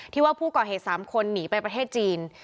ว่าผู้ก่อเหตุ๓คนหนีไปประเทศจีน